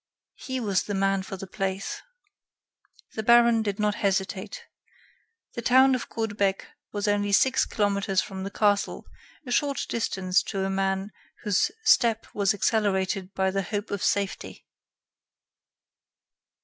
He was the man for the place. The baron did not hesitate. The town of Caudebec was only six kilometers from the castle, a short distance to a man whose step was accelerated by the hope of safety.